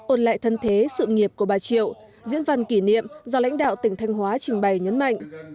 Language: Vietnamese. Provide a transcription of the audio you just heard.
ôn lại thân thế sự nghiệp của bà triệu diễn văn kỷ niệm do lãnh đạo tỉnh thanh hóa trình bày nhấn mạnh